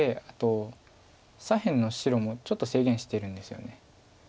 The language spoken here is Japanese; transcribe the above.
あと左辺の白もちょっと制限してるんですよね。